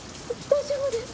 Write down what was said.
大丈夫です。